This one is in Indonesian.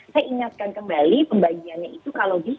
saya ingatkan kembali pembagiannya itu kalau bisa